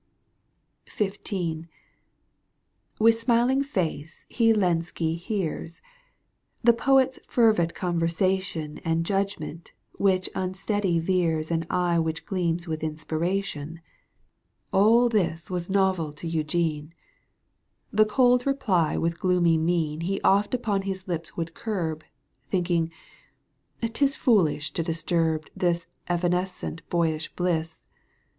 XV. With smiling face he Lenski hears ; The poet's fervid conversation And judgment which unsteady veers And eye which gleams with inspiration — Digitized by VjOOQ 1С 46 EUGENE ONi:GUINE. canto ii. All this was novel to Eugene. и The cold reply with gloomy mien ' He oft upon his lips would curb, Thinking : 'tis foolish to disturb This evanescent boyish bliss.